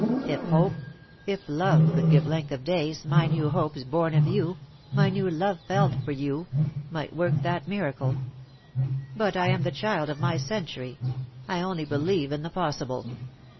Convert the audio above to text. If hope — if love could give length of days^ my new hopes^ born of you — my new love felt for you_, might work that miracle. But I am the child of my century : I only believe in the possible.